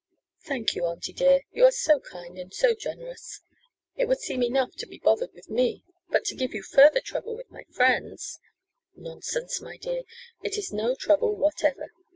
"Thank you, auntie dear. You are so kind and so generous. It would seem enough to be bothered with me, but to give you further trouble with my friends " "Nonsense, my dear, it is no trouble whatever.